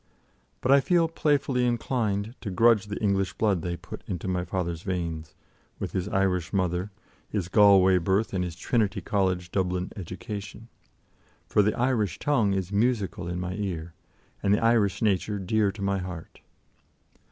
But I feel playfully inclined to grudge the English blood they put into my father's veins, with his Irish mother, his Galway birth, and his Trinity College, Dublin, education. For the Irish tongue is musical in my ear, and the Irish nature dear to my heart.